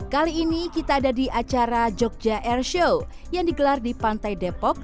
kali ini kita ada di acara jogja air show yang digelar di pantai depok